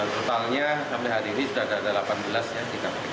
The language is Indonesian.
totalnya sampai hari ini sudah ada delapan belas yang dikabrikan